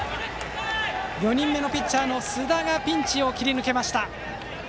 ４人目のピッチャーの須田ピンチを切り抜けました。